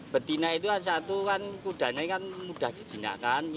betina itu kan satu kudanya kan mudah dijinakkan